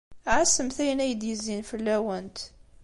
Ɛassemt ayen ay d-yezzin fell-awent.